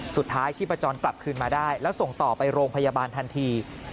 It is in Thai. สุดท้ายที่ผจญกลับคืนมาได้แล้วส่งต่อไปโรงพยาบาลทันที